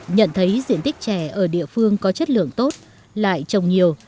nhận thấy diện tích chè ở địa phương có chất lượng tốt lại trồng nhiều